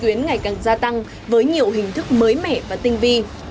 tuyến ngày càng gia tăng với nhiều hình thức mới mẻ và tinh vi